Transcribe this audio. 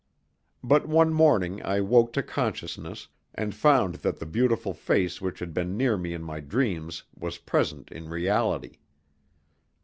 But one morning I woke to consciousness, and found that the beautiful face which had been near me in my dreams was present in reality.